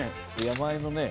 山あいのね